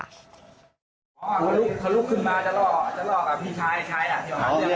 ไม่เอานึกว่าจะต่อยอะไรอย่างนี้ไม่เอายิงไว้มา